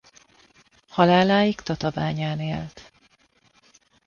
Haláláig Tatabányán élt.